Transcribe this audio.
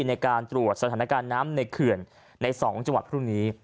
ในการตรวจสถานการณ์น้ำในเขื่อนใน๒จังหวัดพรุ่งนี้